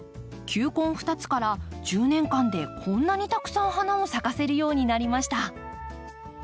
球根２つから１０年間でこんなにたくさん花を咲かせるようになりました。